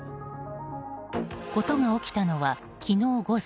事が起きたのは昨日午前。